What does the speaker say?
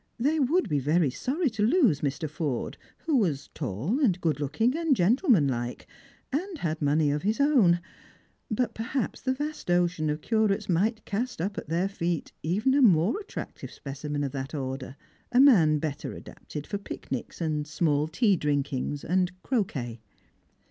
They would be very sorry to lose Mr. Forde, who was tall, and good looking, and gentlemanlike, and had money of his own ; but perhaps the vast ocean of curates might cast up at their feet even a more attractive specimen of that order, a man better adapted for i^icnics, and small tea drinkings, and croquet.